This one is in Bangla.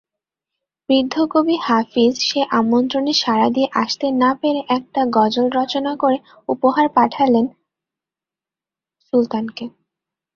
বৃদ্ধ কবি হাফিজ সে আমন্ত্রণে সাড়া দিয়ে আসতে না পেরে একটা গজল রচনা করে উপহার পাঠান সুলতানকে।